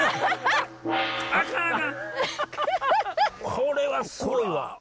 これはすごいわ！